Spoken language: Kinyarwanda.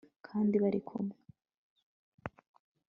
kandi barikumwe